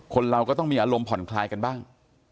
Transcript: เราก็ต้องมีอารมณ์ผ่อนคลายกันบ้าง